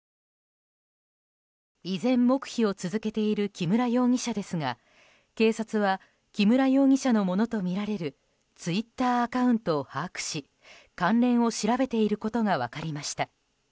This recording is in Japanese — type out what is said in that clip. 依然、黙秘を続けている木村容疑者ですが警察は木村容疑者のものとみられるツイッターアカウントを把握し関連を調べていることが分かりました。